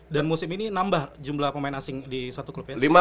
dan musim ini nambah jumlah pemain asing di satu klub ya